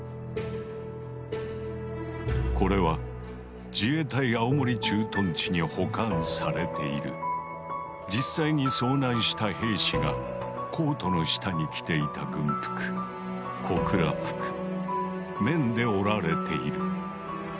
これは自衛隊青森駐屯地に保管されている実際に遭難した兵士がコートの下に着ていた軍服綿で織られている。